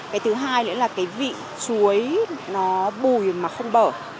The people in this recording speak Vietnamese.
cái thứ hai nữa là vị chuối bùi mà không bở